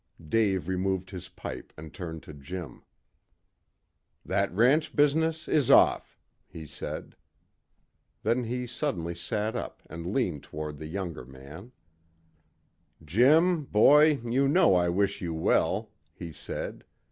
Dave removed his pipe and turned to Jim. "That ranch business is off," he said. Then he suddenly sat up and leant toward the younger man. "Jim, boy, you know I wish you well," he said.